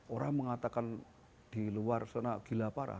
orang mengatakan di luar zona gila parah